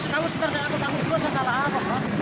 kamu seter saya salah apa